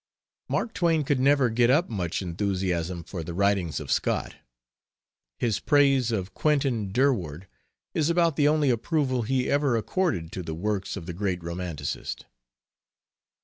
Mark Twain could never get up much enthusiasm for the writings of Scott. His praise of Quentin Durward is about the only approval he ever accorded to the works of the great romanticist.